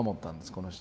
この人。